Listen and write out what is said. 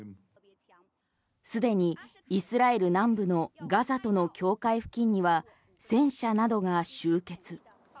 既にイスラエル南部のガザとの境界付近には戦車などが集結。